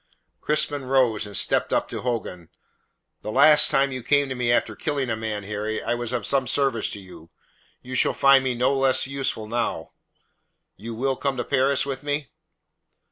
Crispin rose and stepped up to Hogan. "The last time you came to me after killing a man, Harry, I was of some service to you. You shall find me no less useful now. You will come to Paris with me?"